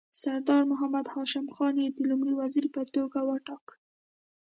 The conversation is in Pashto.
سردار محمد هاشم خان یې د لومړي وزیر په توګه وټاکه.